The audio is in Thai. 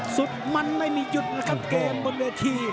สุดมันไม่มีหยุดนะครับเกมบนเวที